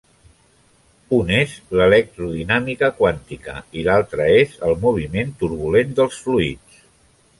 Un és l'electrodinàmica quàntica i l'altre és el moviment turbulent dels fluids.